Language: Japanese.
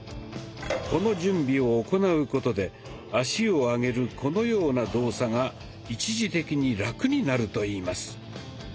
この準備を行うことで足を上げるこのような動作が一時的にラクになるといいます。